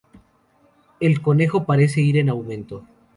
El conejo, parece ir en aumento.